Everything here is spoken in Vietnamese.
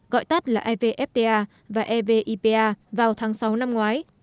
gọi tắt là evfta và evipa vào tháng sáu năm ngoái